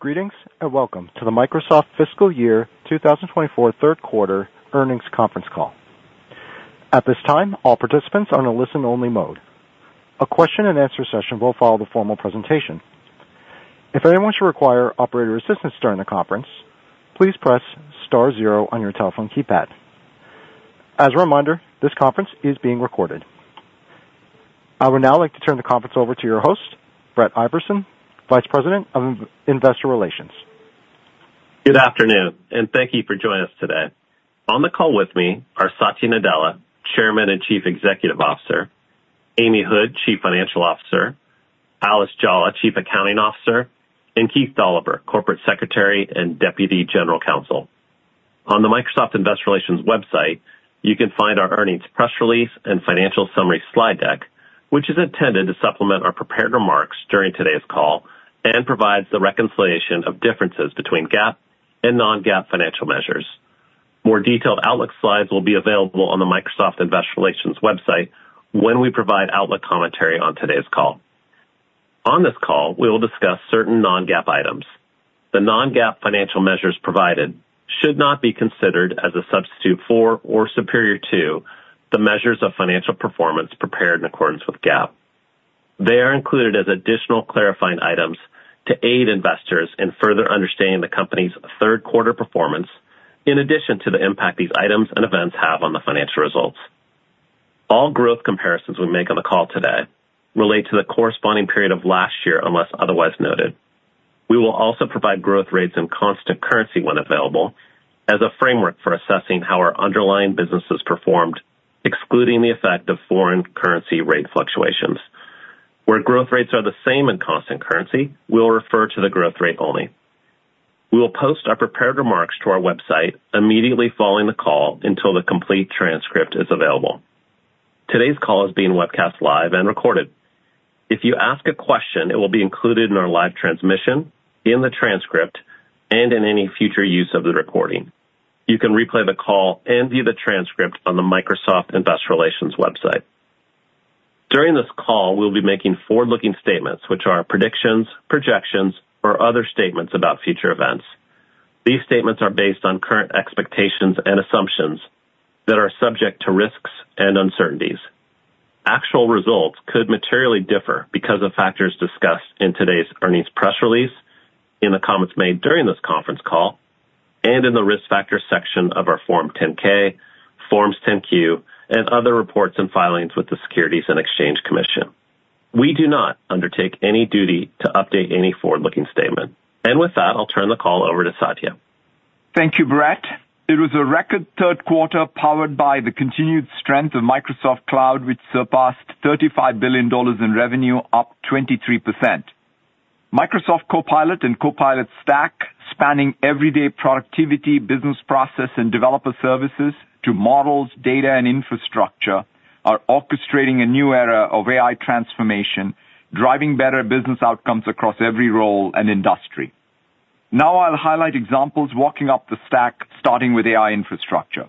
Greetings and welcome to the Microsoft Fiscal Year 2024 Third Quarter Earnings Conference Call. At this time, all participants are in a listen-only mode. A question-and-answer session will follow the formal presentation. If anyone should require operator assistance during the conference, please press star zero on your telephone keypad. As a reminder, this conference is being recorded. I would now like to turn the conference over to your host, Brett Iverson, Vice President of Investor Relations. Good afternoon, and thank you for joining us today. On the call with me are Satya Nadella, Chairman and Chief Executive Officer, Amy Hood, Chief Financial Officer, Alice Jolla, Chief Accounting Officer, and Keith Dolliver, Corporate Secretary and Deputy General Counsel. On the Microsoft Investor Relations website, you can find our earnings press release and financial summary slide deck, which is intended to supplement our prepared remarks during today's call and provides the reconciliation of differences between GAAP and non-GAAP financial measures. More detailed Outlook slides will be available on the Microsoft Investor Relations website when we provide Outlook commentary on today's call. On this call, we will discuss certain non-GAAP items. The non-GAAP financial measures provided should not be considered as a substitute for or superior to the measures of financial performance prepared in accordance with GAAP. They are included as additional clarifying items to aid investors in further understanding the company's third quarter performance in addition to the impact these items and events have on the financial results. All growth comparisons we make on the call today relate to the corresponding period of last year unless otherwise noted. We will also provide growth rates in constant currency when available as a framework for assessing how our underlying businesses performed, excluding the effect of foreign currency rate fluctuations. Where growth rates are the same in constant currency, we'll refer to the growth rate only. We will post our prepared remarks to our website immediately following the call until the complete transcript is available. Today's call is being webcast live and recorded. If you ask a question, it will be included in our live transmission, in the transcript, and in any future use of the recording. You can replay the call and view the transcript on the Microsoft Investor Relations website. During this call, we'll be making forward-looking statements, which are predictions, projections, or other statements about future events. These statements are based on current expectations and assumptions that are subject to risks and uncertainties. Actual results could materially differ because of factors discussed in today's earnings press release, in the comments made during this conference call, and in the risk factors section of our Form 10-K, Forms 10-Q, and other reports and filings with the Securities and Exchange Commission. We do not undertake any duty to update any forward-looking statement. With that, I'll turn the call over to Satya. Thank you, Brett. It was a record third quarter powered by the continued strength of Microsoft Cloud, which surpassed $35 billion in revenue, up 23%. Microsoft Copilot and Copilot Stack, spanning everyday productivity, business process, and developer services to models, data, and infrastructure, are orchestrating a new era of AI transformation, driving better business outcomes across every role and industry. Now I'll highlight examples walking up the stack, starting with AI infrastructure.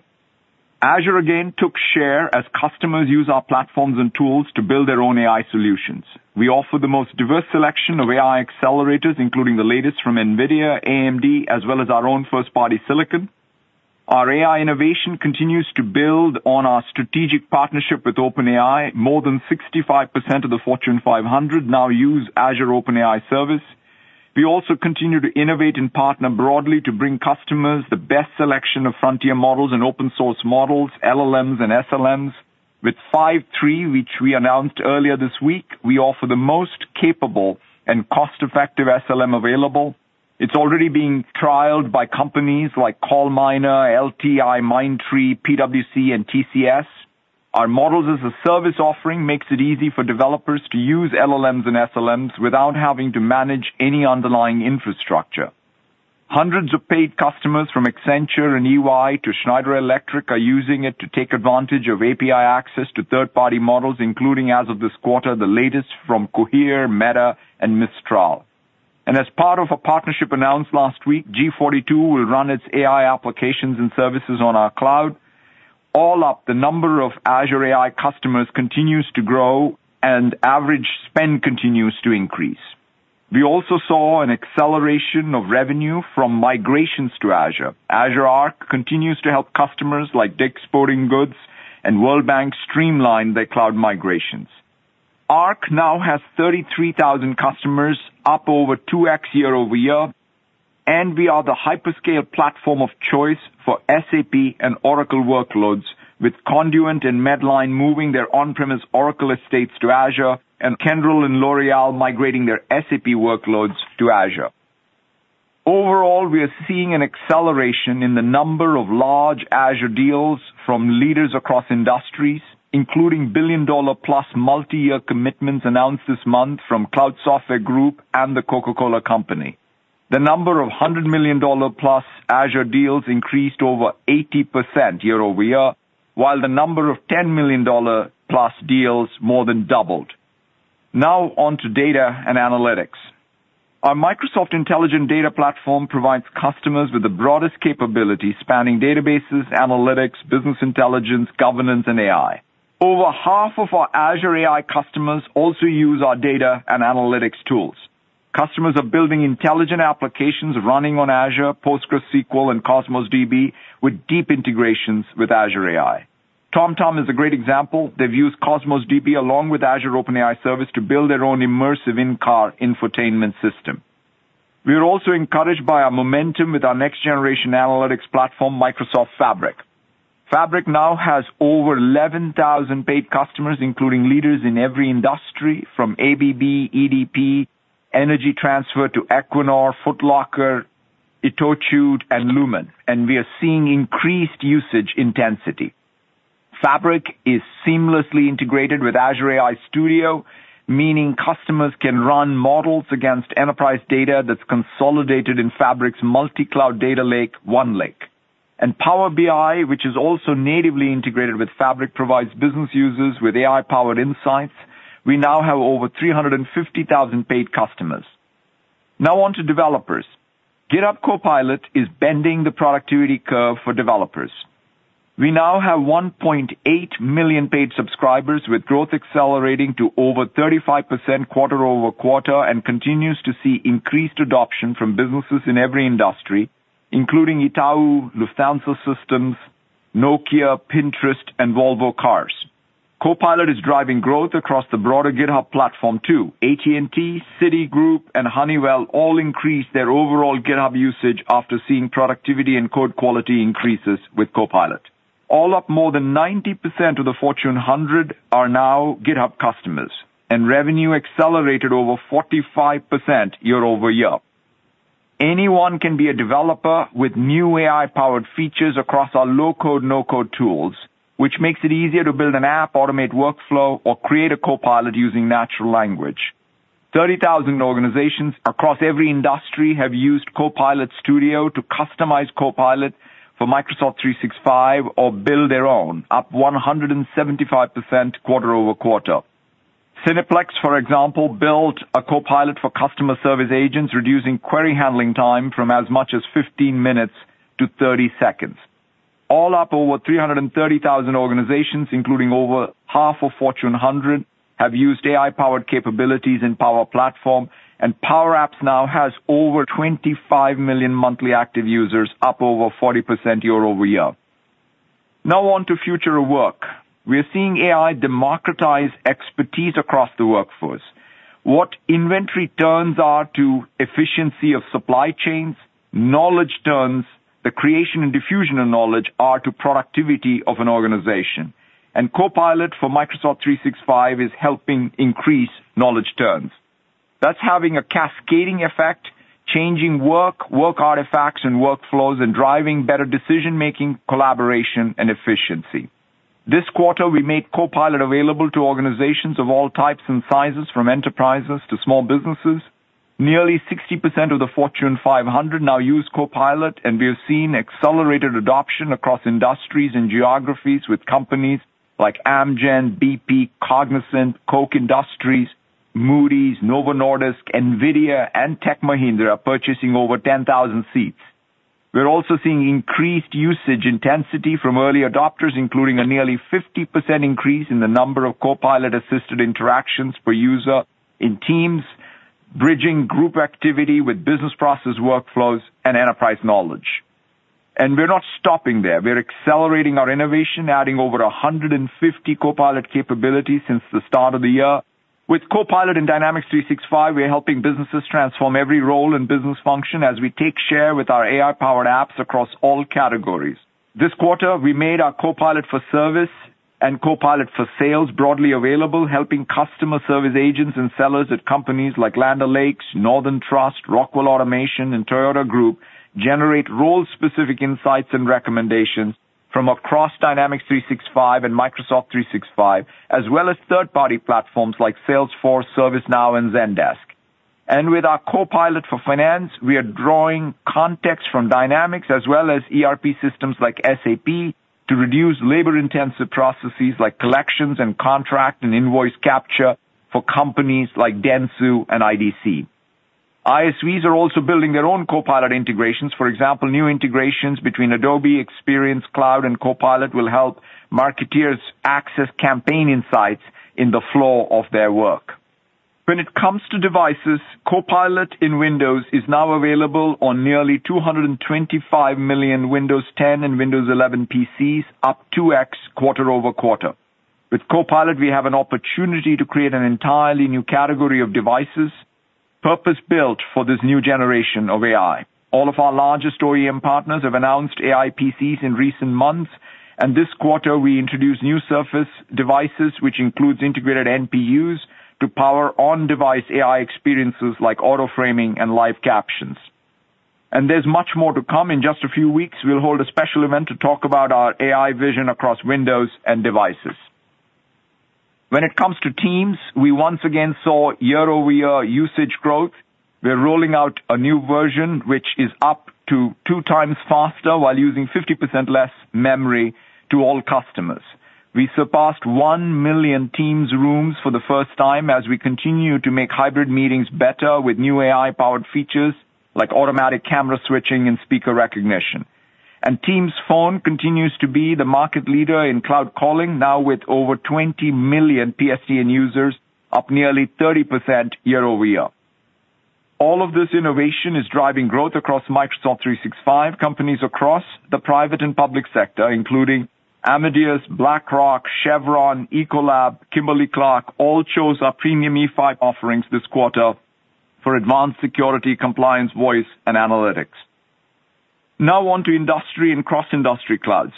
Azure, again, took share as customers use our platforms and tools to build their own AI solutions. We offer the most diverse selection of AI accelerators, including the latest from NVIDIA, AMD, as well as our own first-party silicon. Our AI innovation continues to build on our strategic partnership with OpenAI. More than 65% of the Fortune 500 now use Azure OpenAI Service. We also continue to innovate and partner broadly to bring customers the best selection of frontier models and open-source models, LLMs, and SLMs. With Phi-3, which we announced earlier this week, we offer the most capable and cost-effective SLM available. It's already being trialed by companies like CallMiner, LTIMindtree, PwC, and TCS. Our Models as a Service offering make it easy for developers to use LLMs and SLMs without having to manage any underlying infrastructure. Hundreds of paid customers from Accenture and EY to Schneider Electric are using it to take advantage of API access to third-party models, including as of this quarter the latest from Cohere, Meta, and Mistral. And as part of a partnership announced last week, G42 will run its AI applications and services on our cloud. All up, the number of Azure AI customers continues to grow, and average spend continues to increase. We also saw an acceleration of revenue from migrations to Azure. Azure Arc continues to help customers like Dick's Sporting Goods and World Bank streamline their cloud migrations. Arc now has 33,000 customers, up over 2x year-over-year, and we are the hyperscale platform of choice for SAP and Oracle workloads, with Conduent and Medline moving their on-premises Oracle estates to Azure, and Kyndryl and L'Oréal migrating their SAP workloads to Azure. Overall, we are seeing an acceleration in the number of large Azure deals from leaders across industries, including billion-dollar-plus multi-year commitments announced this month from Cloud Software Group and the Coca-Cola Company. The number of $100 million-plus Azure deals increased over 80% year-over-year, while the number of $10 million-plus deals more than doubled. Now onto data and analytics. Our Microsoft Intelligent Data Platform provides customers with the broadest capabilities, spanning databases, analytics, business intelligence, governance, and AI. Over half of our Azure AI customers also use our data and analytics tools. Customers are building intelligent applications running on Azure, PostgreSQL, and Cosmos DB with deep integrations with Azure AI. TomTom is a great example. They've used Cosmos DB along with Azure OpenAI Service to build their own immersive in-car infotainment system. We are also encouraged by our momentum with our next-generation analytics platform, Microsoft Fabric. Fabric now has over 11,000 paid customers, including leaders in every industry from ABB, EDP, Energy Transfer to Equinor, Foot Locker, ITOCHU, and Lumen, and we are seeing increased usage intensity. Fabric is seamlessly integrated with Azure AI Studio, meaning customers can run models against enterprise data that's consolidated in Fabric's multi-cloud data lake, OneLake. Power BI, which is also natively integrated with Fabric, provides business users with AI-powered insights. We now have over 350,000 paid customers. Now onto developers. GitHub Copilot is bending the productivity curve for developers. We now have 1.8 million paid subscribers, with growth accelerating to over 35% quarter-over-quarter and continues to see increased adoption from businesses in every industry, including Itaú, Lufthansa Systems, Nokia, Pinterest, and Volvo Cars. Copilot is driving growth across the broader GitHub platform too. AT&T, Citigroup, and Honeywell all increased their overall GitHub usage after seeing productivity and code quality increases with Copilot. All up, more than 90% of the Fortune 100 are now GitHub customers, and revenue accelerated over 45% year-over-year. Anyone can be a developer with new AI-powered features across our low-code, no-code tools, which makes it easier to build an app, automate workflow, or create a Copilot using natural language. 30,000 organizations across every industry have used Copilot Studio to customize Copilot for Microsoft 365 or build their own, up 175% quarter-over-quarter. Cineplex, for example, built a Copilot for customer service agents, reducing query handling time from as much as 15 minutes to 30 seconds. All up, over 330,000 organizations, including over half of Fortune 100, have used AI-powered capabilities in Power Platform, and Power Apps now has over 25 million monthly active users, up over 40% year-over-year. Now onto future of work. We are seeing AI democratize expertise across the workforce. What inventory turns are to efficiency of supply chains. Knowledge turns, the creation and diffusion of knowledge, are to productivity of an organization. Copilot for Microsoft 365 is helping increase knowledge turns. That's having a cascading effect, changing work, work artifacts, and workflows, and driving better decision-making, collaboration, and efficiency. This quarter, we made Copilot available to organizations of all types and sizes, from enterprises to small businesses. Nearly 60% of the Fortune 500 now use Copilot, and we have seen accelerated adoption across industries and geographies, with companies like Amgen, BP, Cognizant, Koch Industries, Moody's, Novo Nordisk, NVIDIA, and Tech Mahindra purchasing over 10,000 seats. We're also seeing increased usage intensity from early adopters, including a nearly 50% increase in the number of Copilot-assisted interactions per user in teams, bridging group activity with business process workflows and enterprise knowledge. We're not stopping there. We're accelerating our innovation, adding over 150 Copilot capabilities since the start of the year. With Copilot in Dynamics 365, we're helping businesses transform every role and business function as we take share with our AI-powered apps across all categories. This quarter, we made our Copilot for Service and Copilot for Sales broadly available, helping customer service agents and sellers at companies like Land O'Lakes, Northern Trust, Rockwell Automation, and Toyota Group generate role-specific insights and recommendations from across Dynamics 365 and Microsoft 365, as well as third-party platforms like Salesforce, ServiceNow, and Zendesk. With our Copilot for Finance, we are drawing context from Dynamics as well as ERP systems like SAP to reduce labor-intensive processes like collections and contract and invoice capture for companies like Dentsu and IDC. ISVs are also building their own Copilot integrations. For example, new integrations between Adobe Experience Cloud and Copilot will help marketers access campaign insights in the flow of their work. When it comes to devices, Copilot in Windows is now available on nearly 225 million Windows 10 and Windows 11 PCs, up 2x quarter-over-quarter. With Copilot, we have an opportunity to create an entirely new category of devices purpose-built for this new generation of AI. All of our largest OEM partners have announced AI PCs in recent months, and this quarter, we introduce new Surface devices, which includes integrated NPUs to power on-device AI experiences like auto-framing and live captions. There's much more to come. In just a few weeks, we'll hold a special event to talk about our AI vision across Windows and devices. When it comes to Teams, we once again saw year-over-year usage growth. We're rolling out a new version, which is up to 2x faster while using 50% less memory to all customers. We surpassed 1 million Teams Rooms for the first time as we continue to make hybrid meetings better with new AI-powered features like automatic camera switching and speaker recognition. Teams Phone continues to be the market leader in cloud calling, now with over 20 million PSTN users, up nearly 30% year-over-year. All of this innovation is driving growth across Microsoft 365. Companies across the private and public sector, including Amadeus, BlackRock, Chevron, Ecolab, Kimberly-Clark, all chose our premium E5 offerings this quarter for advanced security, compliance, voice, and analytics. Now onto industry and cross-industry clouds.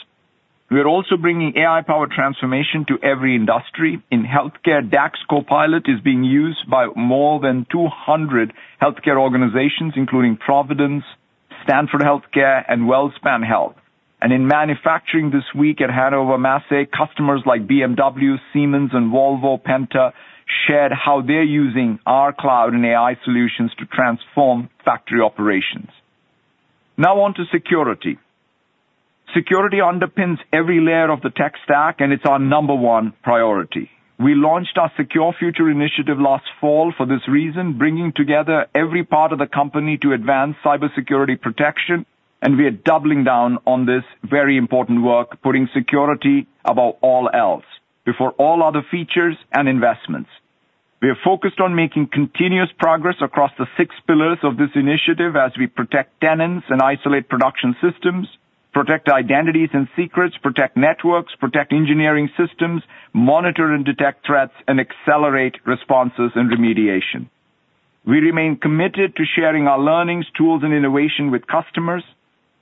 We are also bringing AI-powered transformation to every industry. In healthcare, DAX Copilot is being used by more than 200 healthcare organizations, including Providence, Stanford Health Care, and WellSpan Health. In manufacturing this week at Hannover Messe, customers like BMW, Siemens, and Volvo Penta shared how they're using our cloud and AI solutions to transform factory operations. Now onto security. Security underpins every layer of the tech stack, and it's our number one priority. We launched our Secure Future Initiative last fall for this reason, bringing together every part of the company to advance cybersecurity protection, and we are doubling down on this very important work, putting security above all else before all other features and investments. We are focused on making continuous progress across the six pillars of this initiative as we protect tenants and isolate production systems, protect identities and secrets, protect networks, protect engineering systems, monitor and detect threats, and accelerate responses and remediation. We remain committed to sharing our learnings, tools, and innovation with customers.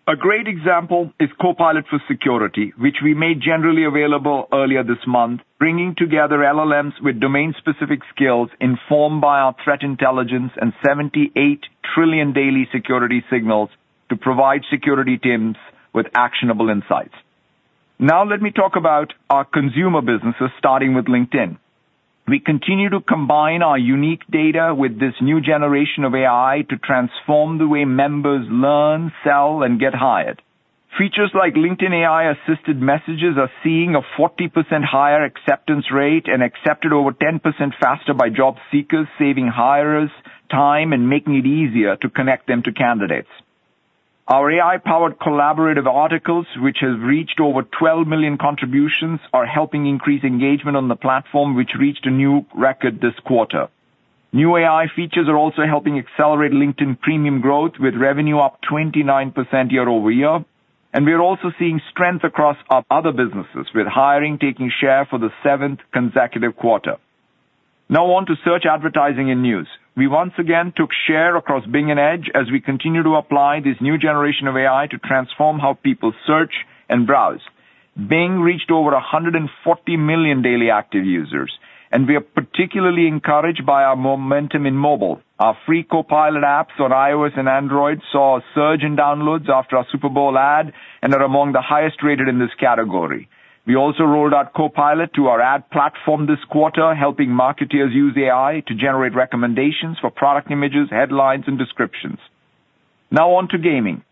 A great example is Copilot for Security, which we made generally available earlier this month, bringing together LLMs with domain-specific skills informed by our threat intelligence and 78 trillion daily security signals to provide security teams with actionable insights. Now let me talk about our consumer businesses, starting with LinkedIn. We continue to combine our unique data with this new generation of AI to transform the way members learn, sell, and get hired. Features like LinkedIn AI-assisted messages are seeing a 40% higher acceptance rate and accepted over 10% faster by job seekers, saving hirers time and making it easier to connect them to candidates. Our AI-powered collaborative articles, which have reached over 12 million contributions, are helping increase engagement on the platform, which reached a new record this quarter. New AI features are also helping accelerate LinkedIn Premium growth, with revenue up 29% year-over-year, and we are also seeing strength across other businesses, with hiring taking share for the seventh consecutive quarter. Now onto search advertising and news. We once again took share across Bing and Edge as we continue to apply this new generation of AI to transform how people search and browse. Bing reached over 140 million daily active users, and we are particularly encouraged by our momentum in mobile. Our free Copilot apps on iOS and Android saw a surge in downloads after our Super Bowl ad and are among the highest-rated in this category. We also rolled out Copilot to our ad platform this quarter, helping marketers use AI to generate recommendations for product images, headlines, and descriptions. Now onto gaming.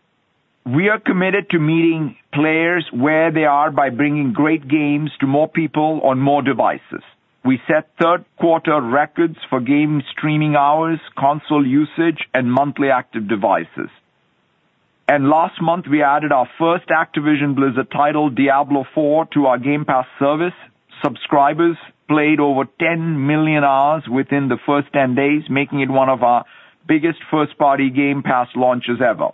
We are committed to meeting players where they are by bringing great games to more people on more devices. We set third-quarter records for game streaming hours, console usage, and monthly active devices. Last month, we added our first Activision Blizzard title, Diablo IV, to our Game Pass service. Subscribers played over 10 million hours within the first 10 days, making it one of our biggest first-party Game Pass launches ever.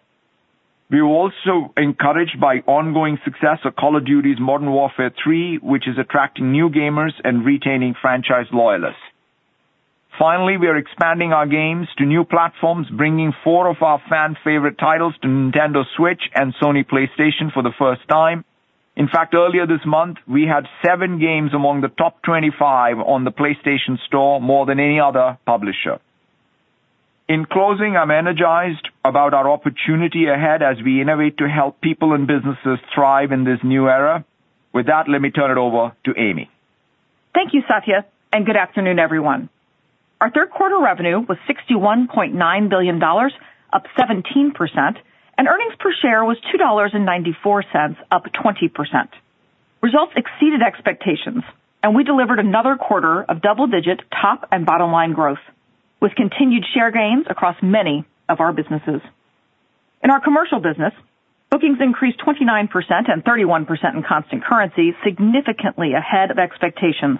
We are also encouraged by ongoing success of Call of Duty: Modern Warfare III, which is attracting new gamers and retaining franchise loyalists. Finally, we are expanding our games to new platforms, bringing four of our fan-favorite titles to Nintendo Switch and Sony PlayStation for the first time. In fact, earlier this month, we had seven games among the top 25 on the PlayStation Store, more than any other publisher. In closing, I'm energized about our opportunity ahead as we innovate to help people and businesses thrive in this new era. With that, let me turn it over to Amy. Thank you, Satya, and good afternoon, everyone. Our third-quarter revenue was $61.9 billion, up 17%, and earnings per share was $2.94, up 20%. Results exceeded expectations, and we delivered another quarter of double-digit top and bottom-line growth, with continued share gains across many of our businesses. In our commercial business, bookings increased 29% and 31% in constant currency, significantly ahead of expectations,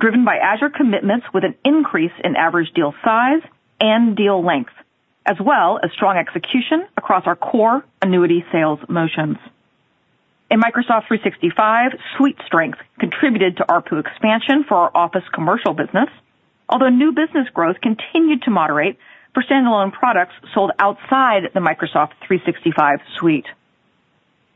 driven by Azure commitments with an increase in average deal size and deal length, as well as strong execution across our core annuity sales motions. In Microsoft 365, suite strength contributed to ARPU expansion for our office commercial business, although new business growth continued to moderate for standalone products sold outside the Microsoft 365 suite.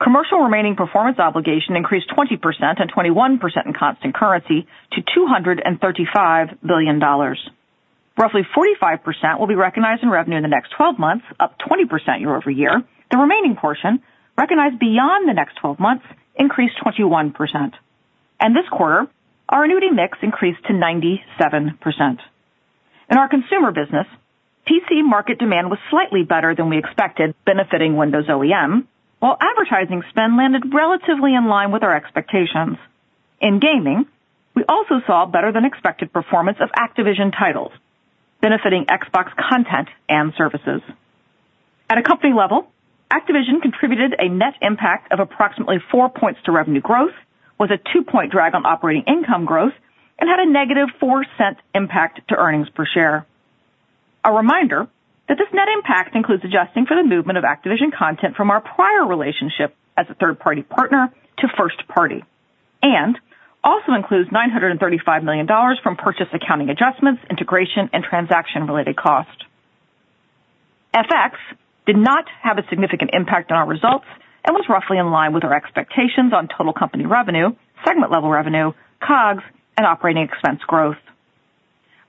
Commercial remaining performance obligation increased 20% and 21% in constant currency to $235 billion. Roughly 45% will be recognized in revenue in the next 12 months, up 20% year-over-year. The remaining portion, recognized beyond the next 12 months, increased 21%. This quarter, our annuity mix increased to 97%. In our consumer business, PC market demand was slightly better than we expected, benefiting Windows OEM, while advertising spend landed relatively in line with our expectations. In gaming, we also saw better-than-expected performance of Activision titles, benefiting Xbox content and services. At a company level, Activision contributed a net impact of approximately 4 points to revenue growth, with a 2-point drag on operating income growth, and had a negative 4-cent impact to earnings per share. A reminder that this net impact includes adjusting for the movement of Activision content from our prior relationship as a third-party partner to first-party, and also includes $935 million from purchase accounting adjustments, integration, and transaction-related costs. FX did not have a significant impact on our results and was roughly in line with our expectations on total company revenue, segment-level revenue, COGS, and operating expense growth.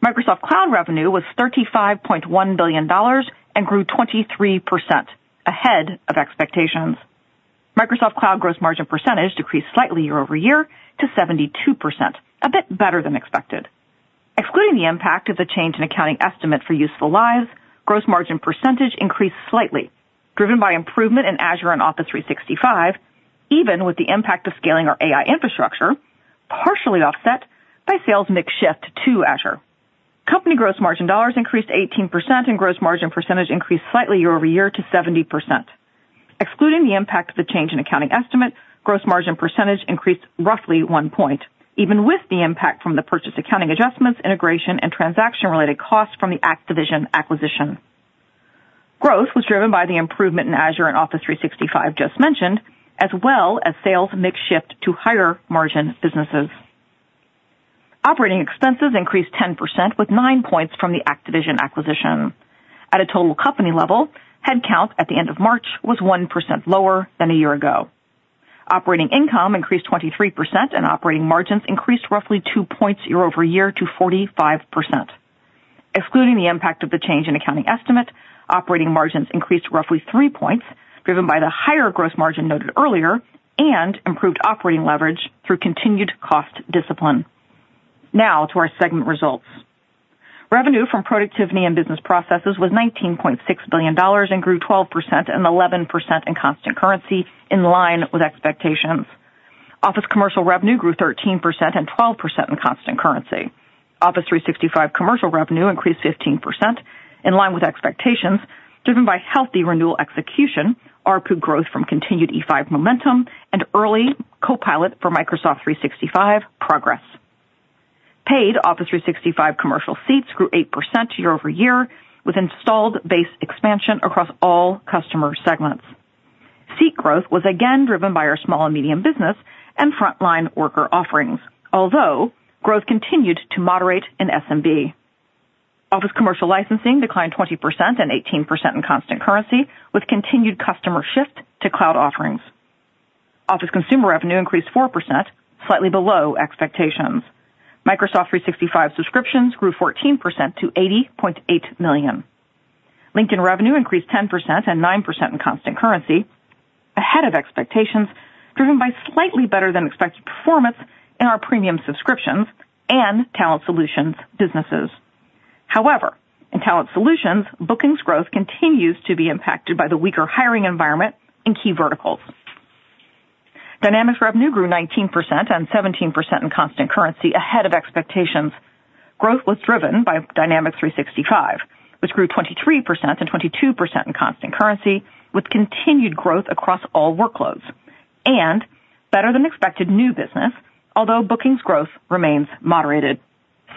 Microsoft Cloud revenue was $35.1 billion and grew 23%, ahead of expectations. Microsoft Cloud gross margin percentage decreased slightly year-over-year to 72%, a bit better than expected. Excluding the impact of the change in accounting estimate for useful lives, gross margin percentage increased slightly, driven by improvement in Azure and Office 365, even with the impact of scaling our AI infrastructure, partially offset by sales mix shift to Azure. Company gross margin dollars increased 18%, and gross margin percentage increased slightly year-over-year to 70%. Excluding the impact of the change in accounting estimate, gross margin percentage increased roughly 1 point, even with the impact from the purchase accounting adjustments, integration, and transaction-related costs from the Activision acquisition. Growth was driven by the improvement in Azure and Office 365 just mentioned, as well as sales mix shift to higher-margin businesses. Operating expenses increased 10%, with 9 points from the Activision acquisition. At a total company level, headcount at the end of March was 1% lower than a year ago. Operating income increased 23%, and operating margins increased roughly 2 points year-over-year to 45%. Excluding the impact of the change in accounting estimate, operating margins increased roughly 3 points, driven by the higher gross margin noted earlier and improved operating leverage through continued cost discipline. Now to our segment results. Revenue from Productivity and Business Processes was $19.6 billion and grew 12% and 11% in constant currency, in line with expectations. Office commercial revenue grew 13% and 12% in constant currency. Office 365 commercial revenue increased 15%, in line with expectations, driven by healthy renewal execution, ARPU growth from continued E5 momentum, and early Copilot for Microsoft 365 progress. Paid Office 365 commercial seats grew 8% year-over-year with installed base expansion across all customer segments. Seat growth was again driven by our small and medium business and frontline worker offerings, although growth continued to moderate in SMB. Office commercial licensing declined 20% and 18% in constant currency, with continued customer shift to cloud offerings. Office consumer revenue increased 4%, slightly below expectations. Microsoft 365 subscriptions grew 14% to 80.8 million. LinkedIn revenue increased 10% and 9% in constant currency, ahead of expectations, driven by slightly better-than-expected performance in our premium subscriptions and Talent Solutions businesses. However, in Talent Solutions, bookings growth continues to be impacted by the weaker hiring environment in key verticals. Dynamics revenue grew 19% and 17% in constant currency, ahead of expectations. Growth was driven by Dynamics 365, which grew 23% and 22% in constant currency, with continued growth across all workloads, and better-than-expected new business, although bookings growth remains moderated.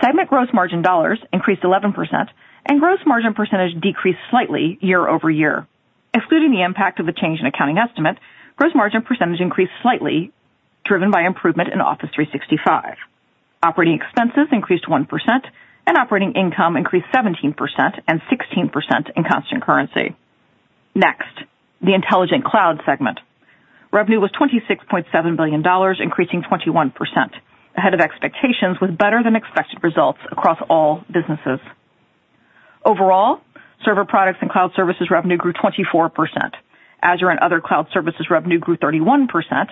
Segment gross margin dollars increased 11%, and gross margin percentage decreased slightly year-over-year. Excluding the impact of the change in accounting estimate, gross margin percentage increased slightly, driven by improvement in Office 365. Operating expenses increased 1%, and operating income increased 17% and 16% in constant currency. Next, the Intelligent Cloud segment. Revenue was $26.7 billion, increasing 21%, ahead of expectations, with better-than-expected results across all businesses. Overall, server products and cloud services revenue grew 24%. Azure and other cloud services revenue grew 31%,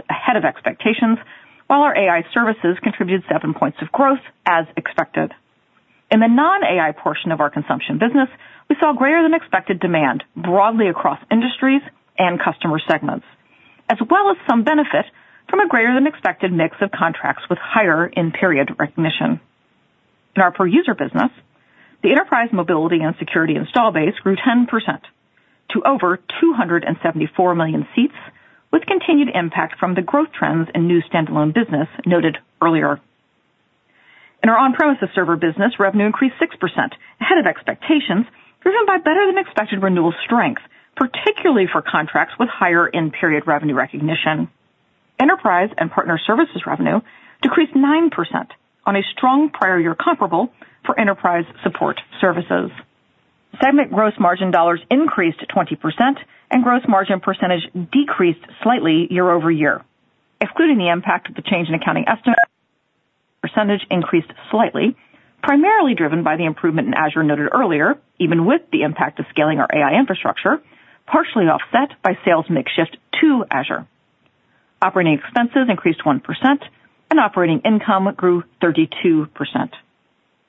ahead of expectations, while our AI services contributed 7 points of growth, as expected. In the non-AI portion of our consumption business, we saw greater-than-expected demand broadly across industries and customer segments, as well as some benefit from a greater-than-expected mix of contracts with higher-in-period recognition. In our per-user business, the enterprise mobility and security install base grew 10% to over 274 million seats, with continued impact from the growth trends in new standalone business noted earlier. In our on-premises server business, revenue increased 6%, ahead of expectations, driven by better-than-expected renewal strength, particularly for contracts with higher-in-period revenue recognition. Enterprise and partner services revenue decreased 9% on a strong prior-year comparable for enterprise support services. Segment gross margin dollars increased 20%, and gross margin percentage decreased slightly year-over-year. Excluding the impact of the change in accounting estimate, percentage increased slightly, primarily driven by the improvement in Azure noted earlier, even with the impact of scaling our AI infrastructure, partially offset by sales mix shift to Azure. Operating expenses increased 1%, and operating income grew 32%.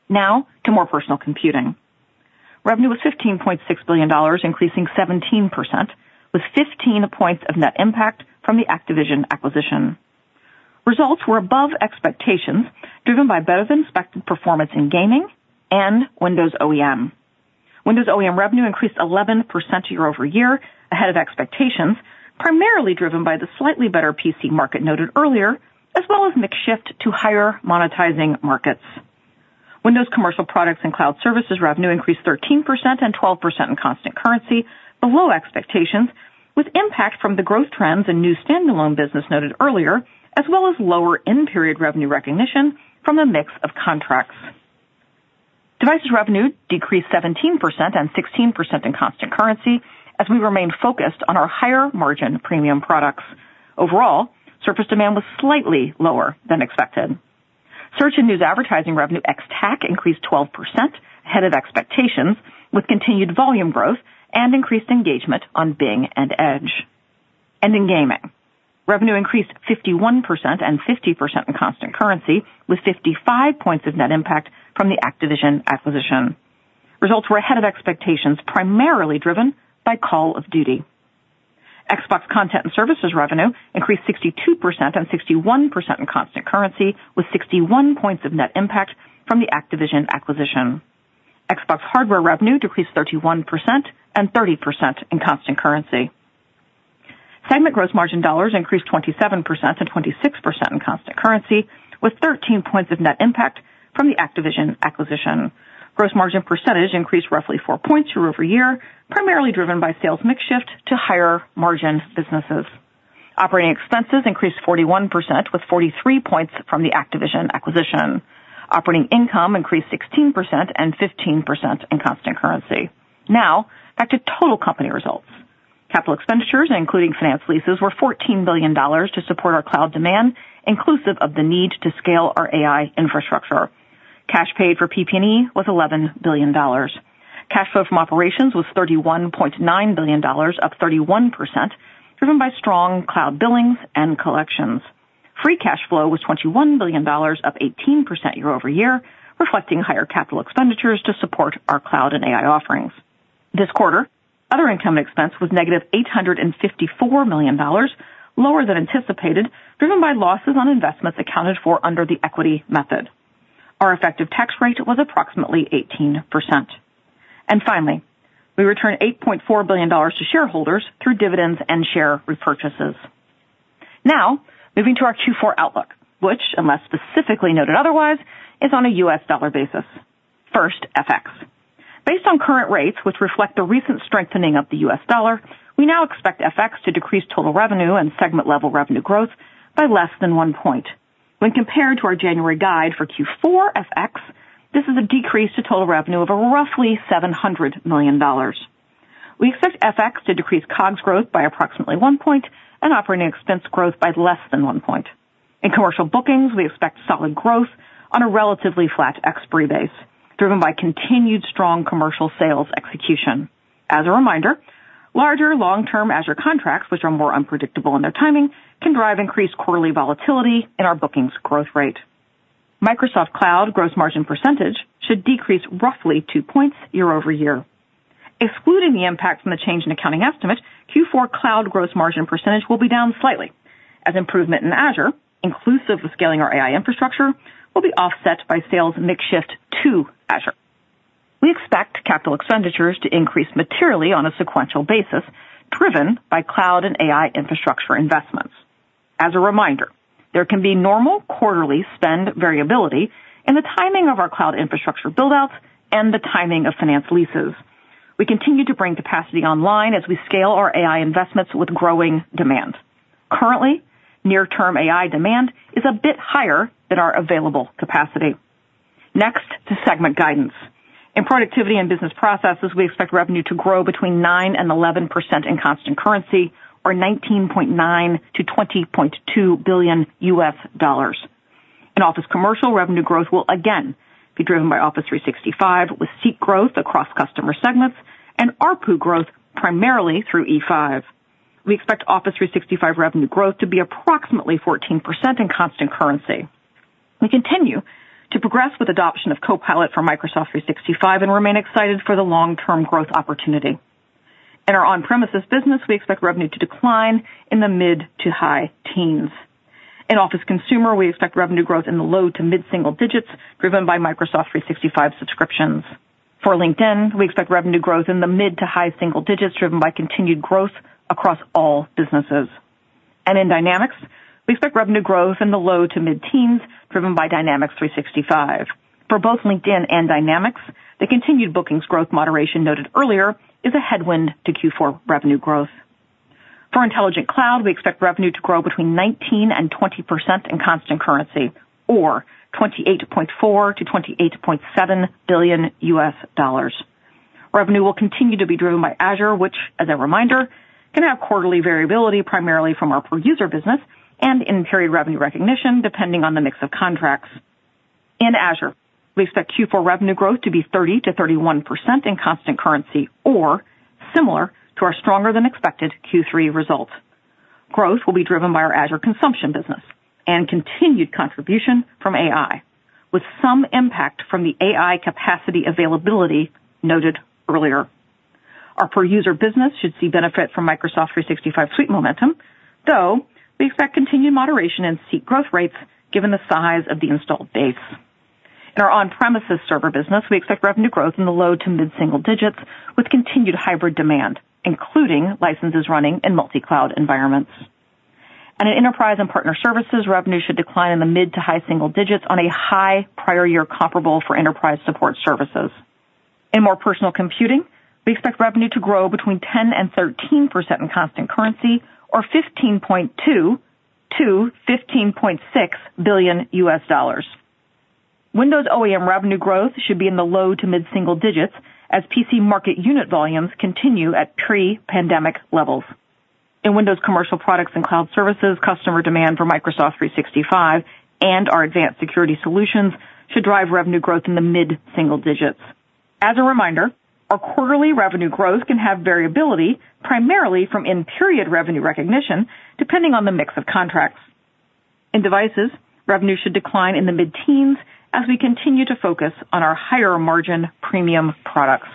Now to More Personal Computing. Revenue was $15.6 billion, increasing 17%, with 15 points of net impact from the Activision acquisition. Results were above expectations, driven by better-than-expected performance in gaming and Windows OEM. Windows OEM revenue increased 11% year over year, ahead of expectations, primarily driven by the slightly better PC market noted earlier, as well as mix shift to higher monetizing markets. Windows commercial products and cloud services revenue increased 13% and 12% in constant currency, below expectations, with impact from the growth trends in new standalone business noted earlier, as well as lower-in-period revenue recognition from the mix of contracts. Devices revenue decreased 17% and 16% in constant currency, as we remained focused on our higher-margin premium products. Overall, Surface demand was slightly lower than expected. Search and news advertising revenue ex-TAC increased 12%, ahead of expectations, with continued volume growth and increased engagement on Bing and Edge. And in gaming, revenue increased 51% and 50% in constant currency, with 55 points of net impact from the Activision acquisition. Results were ahead of expectations, primarily driven by Call of Duty. Xbox content and services revenue increased 62% and 61% in constant currency, with 61 points of net impact from the Activision acquisition. Xbox hardware revenue decreased 31% and 30% in constant currency. Segment gross margin dollars increased 27% and 26% in constant currency, with 13 points of net impact from the Activision acquisition. Gross margin % increased roughly 4 points year-over-year, primarily driven by sales mix shift to higher-margin businesses. Operating expenses increased 41%, with 43 points from the Activision acquisition. Operating income increased 16% and 15% in constant currency. Now back to total company results. Capital expenditures, including finance leases, were $14 billion to support our cloud demand, inclusive of the need to scale our AI infrastructure. Cash paid for PP&E was $11 billion. Cash flow from operations was $31.9 billion, up 31%, driven by strong cloud billings and collections. Free cash flow was $21 billion, up 18% year-over-year, reflecting higher capital expenditures to support our cloud and AI offerings. This quarter, other income and expense was -$854 million, lower than anticipated, driven by losses on investments accounted for under the equity method. Our effective tax rate was approximately 18%. Finally, we returned $8.4 billion to shareholders through dividends and share repurchases. Now moving to our Q4 outlook, which, unless specifically noted otherwise, is on a U.S. dollar basis. First, FX. Based on current rates, which reflect the recent strengthening of the U.S. dollar, we now expect FX to decrease total revenue and segment-level revenue growth by less than 1 point. When compared to our January guide for Q4 FX, this is a decrease to total revenue of roughly $700 million. We expect FX to decrease COGS growth by approximately 1 point and operating expense growth by less than 1 point. In commercial bookings, we expect solid growth on a relatively flat expiry base, driven by continued strong commercial sales execution. As a reminder, larger long-term Azure contracts, which are more unpredictable in their timing, can drive increased quarterly volatility in our bookings growth rate. Microsoft Cloud gross margin percentage should decrease roughly 2 points year-over-year. Excluding the impact from the change in accounting estimate, Q4 Cloud gross margin percentage will be down slightly, as improvement in Azure, inclusive of scaling our AI infrastructure, will be offset by sales mix shift to Azure. We expect capital expenditures to increase materially on a sequential basis, driven by cloud and AI infrastructure investments. As a reminder, there can be normal quarterly spend variability in the timing of our cloud infrastructure buildouts and the timing of finance leases. We continue to bring capacity online as we scale our AI investments with growing demand. Currently, near-term AI demand is a bit higher than our available capacity. Next to segment guidance. In productivity and business processes, we expect revenue to grow between 9% and 11% in constant currency, or $19.9 billion-$20.2 billion. In Office commercial, revenue growth will again be driven by Office 365, with seat growth across customer segments and ARPU growth primarily through E5. We expect Office 365 revenue growth to be approximately 14% in constant currency. We continue to progress with adoption of Copilot for Microsoft 365 and remain excited for the long-term growth opportunity. In our on-premises business, we expect revenue to decline in the mid to high teens. In Office consumer, we expect revenue growth in the low to mid single digits, driven by Microsoft 365 subscriptions. For LinkedIn, we expect revenue growth in the mid to high single digits, driven by continued growth across all businesses. And in Dynamics, we expect revenue growth in the low to mid teens, driven by Dynamics 365. For both LinkedIn and Dynamics, the continued bookings growth moderation noted earlier is a headwind to Q4 revenue growth. For intelligent cloud, we expect revenue to grow between 19% and 20% in constant currency, or $28.4 billion-$28.7 billion. Revenue will continue to be driven by Azure, which, as a reminder, can have quarterly variability primarily from our per-user business and in-period revenue recognition, depending on the mix of contracts. In Azure, we expect Q4 revenue growth to be 30%-31% in constant currency, or similar to our stronger-than-expected Q3 results. Growth will be driven by our Azure consumption business and continued contribution from AI, with some impact from the AI capacity availability noted earlier. Our per-user business should see benefit from Microsoft 365 suite momentum, though we expect continued moderation in seat growth rates, given the size of the installed base. In our on-premises server business, we expect revenue growth in the low to mid single digits, with continued hybrid demand, including licenses running in multi-cloud environments. In enterprise and partner services, revenue should decline in the mid to high single digits on a high prior-year comparable for enterprise support services. In more personal computing, we expect revenue to grow between 10% and 13% in constant currency, or $15.2-$15.6 billion. Windows OEM revenue growth should be in the low to mid single digits, as PC market unit volumes continue at pre-pandemic levels. In Windows commercial products and cloud services, customer demand for Microsoft 365 and our advanced security solutions should drive revenue growth in the mid single-digits. As a reminder, our quarterly revenue growth can have variability, primarily from in-period revenue recognition, depending on the mix of contracts. In devices, revenue should decline in the mid-teens, as we continue to focus on our higher-margin premium products.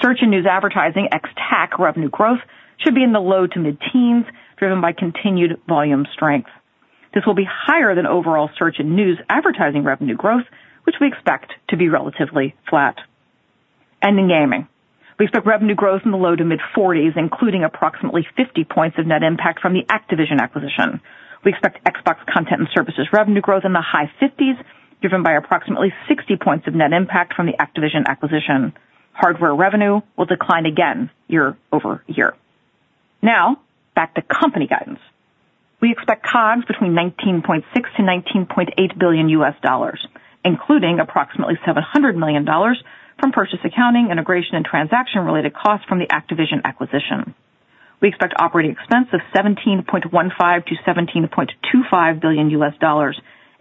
Search and news advertising ex-TAC revenue growth should be in the low- to mid-teens, driven by continued volume strength. This will be higher than overall search and news advertising revenue growth, which we expect to be relatively flat. And in gaming, we expect revenue growth in the low- to mid-40s, including approximately 50 points of net impact from the Activision acquisition. We expect Xbox content and services revenue growth in the high 50s, driven by approximately 60 points of net impact from the Activision acquisition. Hardware revenue will decline again year-over-year. Now back to company guidance. We expect COGS between $19.6-$19.8 billion, including approximately $700 million from purchase accounting, integration, and transaction-related costs from the Activision acquisition. We expect operating expense of $17.15-$17.25 billion,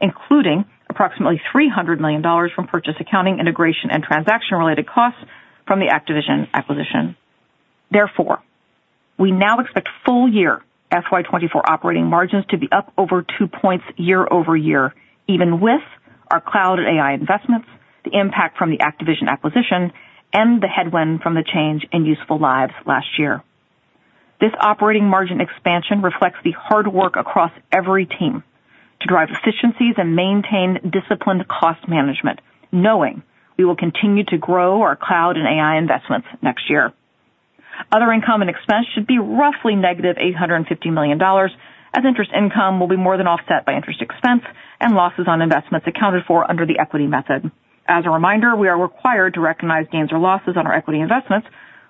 including approximately $300 million from Purchase Accounting, integration, and transaction-related costs from the Activision acquisition. Therefore, we now expect full-year FY 2024 operating margins to be up over 2 points year-over-year, even with our cloud and AI investments, the impact from the Activision acquisition, and the headwind from the change in useful lives last year. This operating margin expansion reflects the hard work across every team to drive efficiencies and maintain disciplined cost management, knowing we will continue to grow our cloud and AI investments next year. Other income and expense should be roughly -$850 million, as interest income will be more than offset by interest expense and losses on investments accounted for under the equity method. As a reminder, we are required to recognize gains or losses on our equity investments,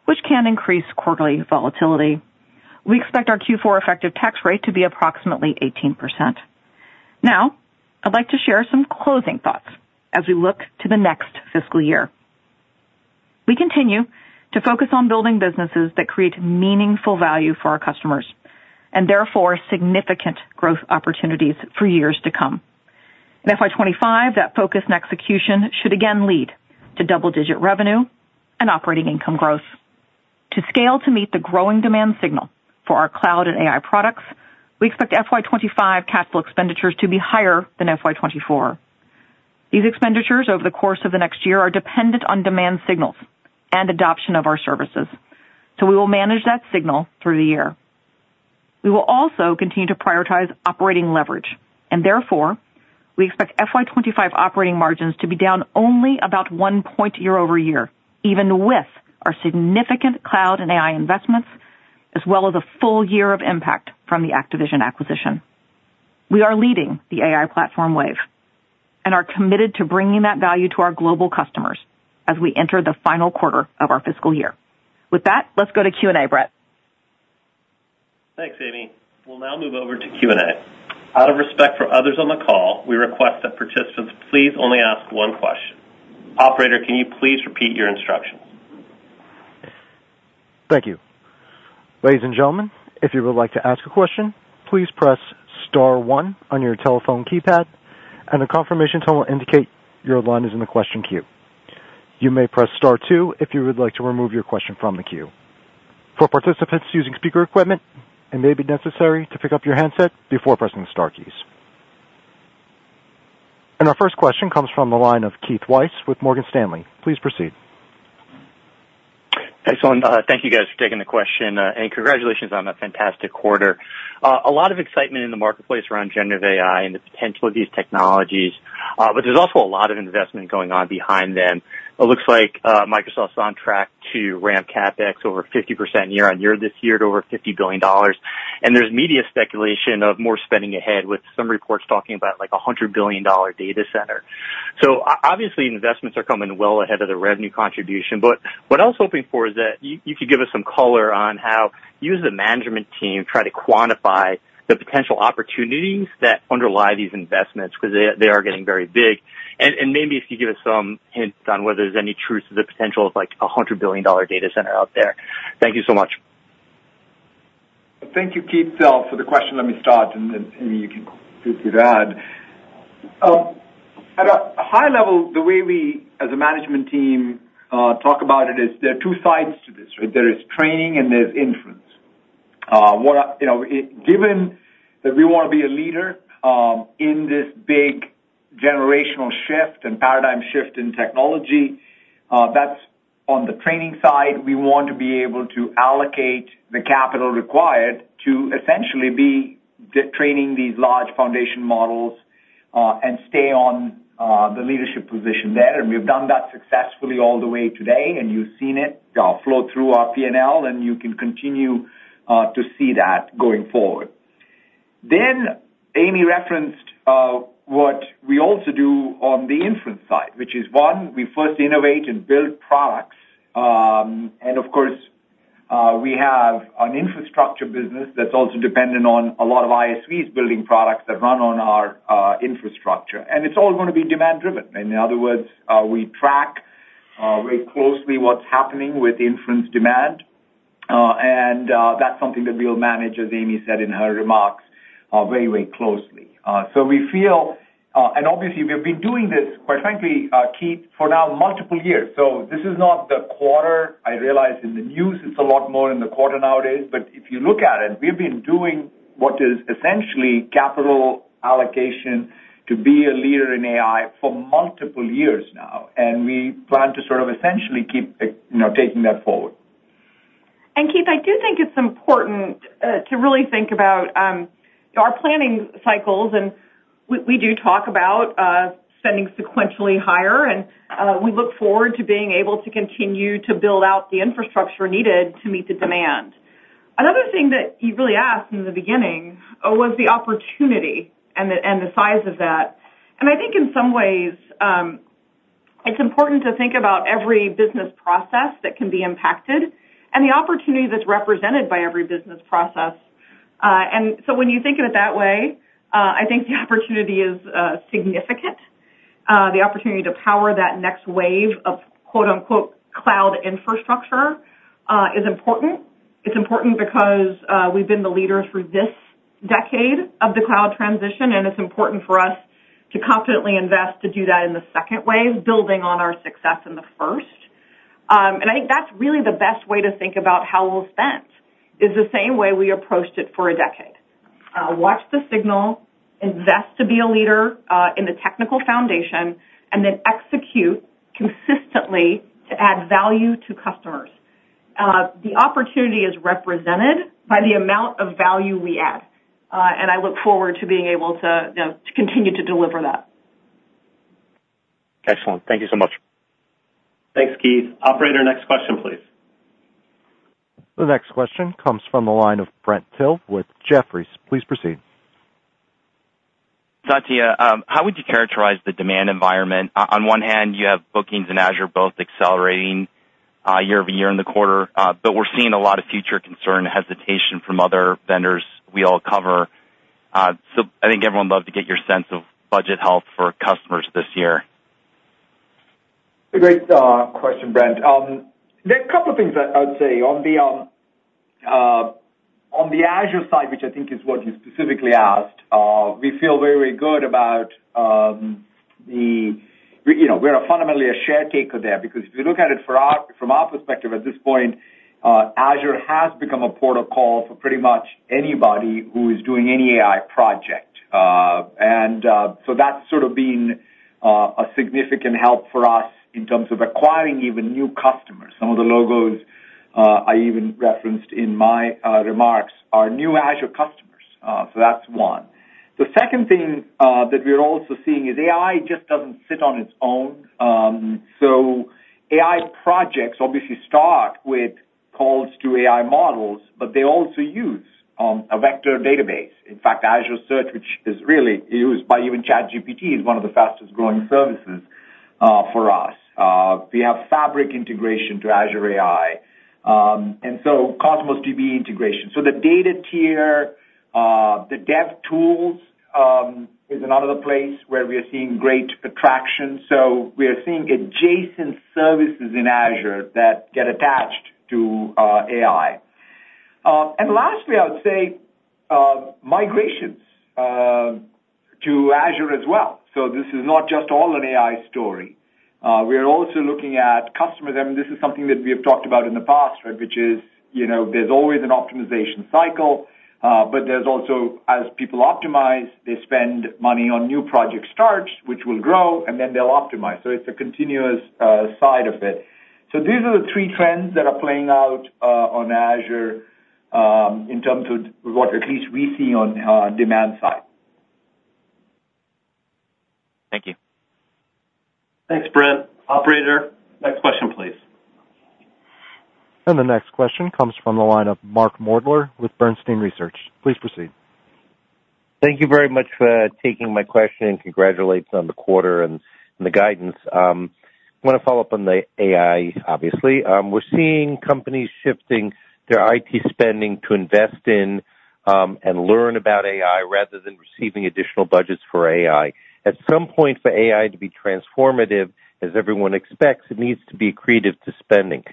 which can increase quarterly volatility. We expect our Q4 effective tax rate to be approximately 18%. Now I'd like to share some closing thoughts as we look to the next fiscal year. We continue to focus on building businesses that create meaningful value for our customers and, therefore, significant growth opportunities for years to come. In FY 2025, that focus and execution should again lead to double-digit revenue and operating income growth. To scale to meet the growing demand signal for our cloud and AI products, we expect FY 2025 capital expenditures to be higher than FY 2024. These expenditures over the course of the next year are dependent on demand signals and adoption of our services, so we will manage that signal through the year. We will also continue to prioritize operating leverage, and therefore, we expect FY 2025 operating margins to be down only about 1 point year-over-year, even with our significant cloud and AI investments, as well as a full year of impact from the Activision acquisition. We are leading the AI platform wave and are committed to bringing that value to our global customers as we enter the final quarter of our fiscal year. With that, let's go to Q&A, Brett. Thanks, Amy. We'll now move over to Q&A. Out of respect for others on the call, we request that participants please only ask one question. Operator, can you please repeat your instructions? Thank you. Ladies and gentlemen, if you would like to ask a question, please press star one on your telephone keypad, and the confirmation tone will indicate your line is in the question queue. You may press star two if you would like to remove your question from the queue. For participants using speaker equipment, it may be necessary to pick up your handset before pressing the star keys. Our first question comes from the line of Keith Weiss with Morgan Stanley. Please proceed. Excellent. Thank you guys for taking the question, and congratulations on a fantastic quarter. A lot of excitement in the marketplace around generative AI and the potential of these technologies, but there's also a lot of investment going on behind them. It looks like Microsoft's on track to ramp CapEx over 50% year-on-year this year to over $50 billion, and there's media speculation of more spending ahead, with some reports talking about a $100 billion data center. So obviously, investments are coming well ahead of the revenue contribution, but what I was hoping for is that you could give us some color on how you, as the management team, try to quantify the potential opportunities that underlie these investments, because they are getting very big. Maybe if you give us some hints on whether there's any truth to the potential of a $100 billion data center out there? Thank you so much. Thank you, Keith, for the question. Let me start, and then Amy, you can add to that. At a high level, the way we, as a management team, talk about it is there are two sides to this. There is training and there's inference. Given that we want to be a leader in this big generational shift and paradigm shift in technology, that's on the training side. We want to be able to allocate the capital required to essentially be training these large foundation models and stay on the leadership position there. We've done that successfully all the way today, and you've seen it flow through our P&L, and you can continue to see that going forward. Then Amy referenced what we also do on the inference side, which is, one, we first innovate and build products, and of course, we have an infrastructure business that's also dependent on a lot of ISVs building products that run on our infrastructure. And it's all going to be demand-driven. In other words, we track very closely what's happening with inference demand, and that's something that we'll manage, as Amy said in her remarks, very, very closely. So we feel and obviously, we've been doing this, quite frankly, Keith, for now multiple years. So this is not the quarter I realize in the news. It's a lot more in the quarter nowadays. But if you look at it, we have been doing what is essentially capital allocation to be a leader in AI for multiple years now, and we plan to sort of essentially keep taking that forward. Keith, I do think it's important to really think about our planning cycles, and we do talk about spending sequentially higher, and we look forward to being able to continue to build out the infrastructure needed to meet the demand. Another thing that you really asked in the beginning was the opportunity and the size of that. I think in some ways, it's important to think about every business process that can be impacted and the opportunity that's represented by every business process. So when you think of it that way, I think the opportunity is significant. The opportunity to power that next wave of "cloud infrastructure" is important. It's important because we've been the leader through this decade of the cloud transition, and it's important for us to confidently invest to do that in the second wave, building on our success in the first. And I think that's really the best way to think about how we'll spend, is the same way we approached it for a decade: watch the signal, invest to be a leader in the technical foundation, and then execute consistently to add value to customers. The opportunity is represented by the amount of value we add, and I look forward to being able to continue to deliver that. Excellent. Thank you so much. Thanks, Keith. Operator, next question, please. The next question comes from the line of Brent Thill with Jefferies. Please proceed. Satya, how would you characterize the demand environment? On one hand, you have bookings in Azure both accelerating year-over-year and the quarter, but we're seeing a lot of future concern and hesitation from other vendors we all cover. So I think everyone would love to get your sense of budget health for customers this year. Great question, Brent. There are a couple of things I would say. On the Azure side, which I think is what you specifically asked, we feel very, very good about where we're fundamentally a share-taker there because if you look at it from our perspective at this point, Azure has become a port of call for pretty much anybody who is doing any AI project. And so that's sort of been a significant help for us in terms of acquiring even new customers. Some of the logos I even referenced in my remarks are new Azure customers, so that's one. The second thing that we're also seeing is AI just doesn't sit on its own. So AI projects obviously start with calls to AI models, but they also use a vector database. In fact, Azure Search, which is really used by even ChatGPT, is one of the fastest-growing services for us. We have Fabric integration to Azure AI and so Cosmos DB integration. So the data tier, the dev tools is another place where we are seeing great traction. So we are seeing adjacent services in Azure that get attached to AI. And lastly, I would say migrations to Azure as well. So this is not just all an AI story. We are also looking at customers and this is something that we have talked about in the past, which is there's always an optimization cycle, but there's also as people optimize, they spend money on new project starts, which will grow, and then they'll optimize. So it's a continuous side of it. So these are the three trends that are playing out on Azure in terms of what at least we see on demand side. Thank you. Thanks, Brent. Operator, next question, please. The next question comes from the line of Mark Moerdler with Bernstein Research. Please proceed. Thank you very much for taking my question and congratulations on the quarter and the guidance. I want to follow up on the AI, obviously. We're seeing companies shifting their IT spending to invest in and learn about AI rather than receiving additional budgets for AI. At some point, for AI to be transformative, as everyone expects, it needs to be accretive to spending.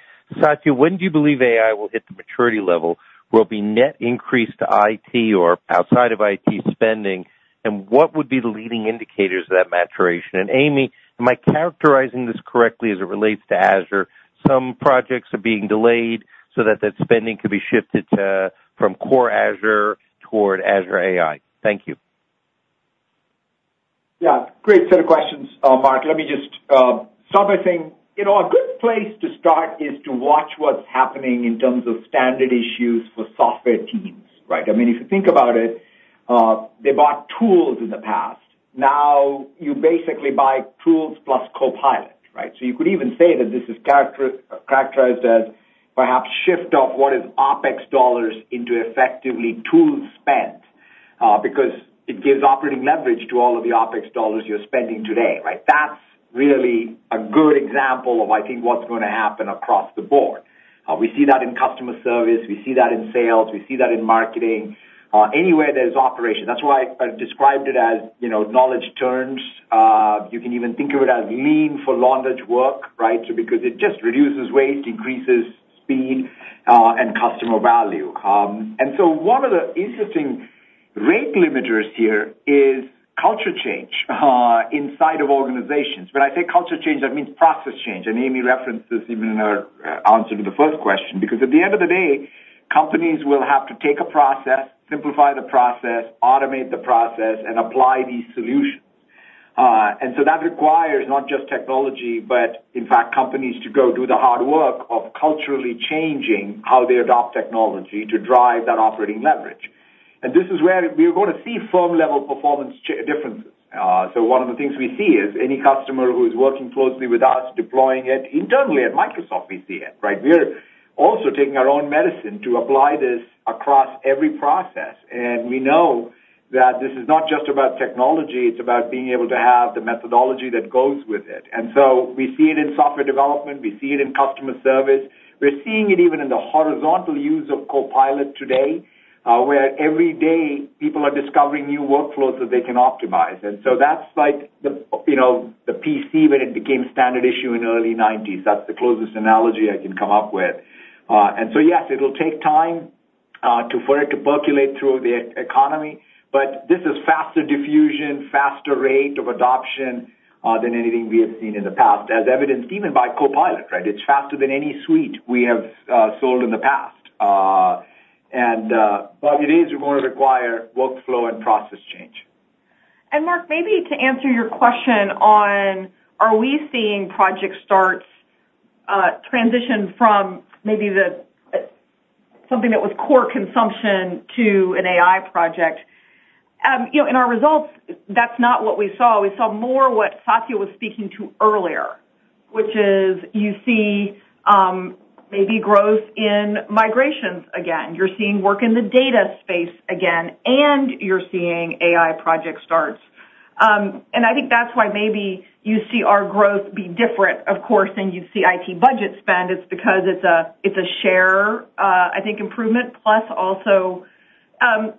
Satya, when do you believe AI will hit the maturity level where it'll be net increased to IT or outside of IT spending, and what would be the leading indicators of that maturation? And Amy, am I characterizing this correctly as it relates to Azure? Some projects are being delayed so that that spending could be shifted from core Azure toward Azure AI. Thank you. Yeah. Great set of questions, Mark. Let me just start by saying a good place to start is to watch what's happening in terms of standard issues for software teams. I mean, if you think about it, they bought tools in the past. Now you basically buy tools plus Copilot. So you could even say that this is characterized as perhaps shift of what is OpEx dollars into effectively tool spend because it gives operating leverage to all of the OpEx dollars you're spending today. That's really a good example of, I think, what's going to happen across the board. We see that in customer service. We see that in sales. We see that in marketing. Anywhere there's operation. That's why I described it as knowledge turns. You can even think of it as lean for knowledge work because it just reduces waste, increases speed, and customer value. One of the interesting rate limiters here is culture change inside of organizations. When I say culture change, that means process change. Amy references even in her answer to the first question because at the end of the day, companies will have to take a process, simplify the process, automate the process, and apply these solutions. That requires not just technology but, in fact, companies to go do the hard work of culturally changing how they adopt technology to drive that operating leverage. This is where we're going to see firm-level performance differences. One of the things we see is any customer who is working closely with us deploying it internally at Microsoft, we see it. We are also taking our own medicine to apply this across every process, and we know that this is not just about technology. It's about being able to have the methodology that goes with it. And so we see it in software development. We see it in customer service. We're seeing it even in the horizontal use of Copilot today where every day, people are discovering new workflows that they can optimize. And so that's like the PC when it became standard issue in the early 1990s. That's the closest analogy I can come up with. And so yes, it'll take time for it to percolate through the economy, but this is faster diffusion, faster rate of adoption than anything we have seen in the past, as evidenced even by Copilot. It's faster than any suite we have sold in the past. And by the days, we're going to require workflow and process change. Mark, maybe to answer your question on are we seeing project starts transition from maybe something that was core consumption to an AI project, in our results, that's not what we saw. We saw more what Satya was speaking to earlier, which is you see maybe growth in migrations again. You're seeing work in the data space again, and you're seeing AI project starts. And I think that's why maybe you see our growth be different, of course, than you see IT budget spend. It's because it's a share, I think, improvement plus also